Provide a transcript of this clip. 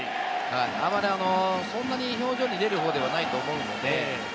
あんまりそんなに表情に出る方ではないと思うんで。